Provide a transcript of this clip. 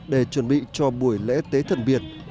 để chuẩn bị cho buổi lễ tế thần biển